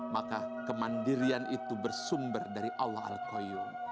maka kemandirian itu bersumber dari allah al qayyum